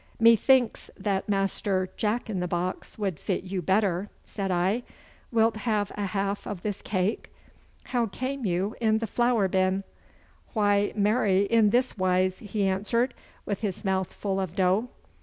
'Methinks that Master Jack in the box would fit you better,' said I. 'Wilt have a half of this cake? How came you in the flour bin?' 'Why, marry, in this wise,' he answered, with his mouth full of dough.